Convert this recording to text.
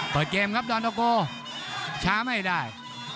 เปิดเกมครับดอนโตโกช้าไม่ได้